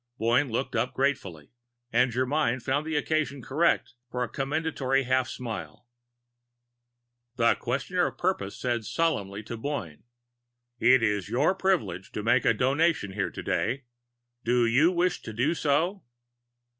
Boyne looked up gratefully and Germyn found the occasion correct for a commendatory half smile. The Questioner of Purpose said solemnly to Boyne: "It is your privilege to make a Donation here today. Do you wish to do so?"